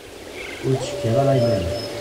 Ur ttcekkir ara iman-ik.